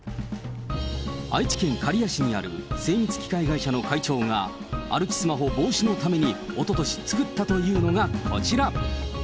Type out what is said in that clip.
愛知県刈谷市にある精密機械会社の会長が、歩きスマホ防止のために、おととし、作ったというのがこちら。